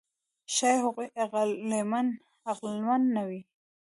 ښایي هغوی عقلمن نه وي.